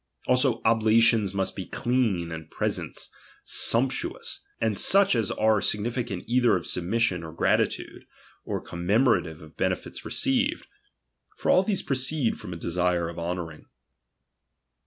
Also oblations viust he clean, and presents sumptuous ; and such as are significative either of submission or gratitude, or commemorative of benefits received. For all these proceed from a desire of honouring.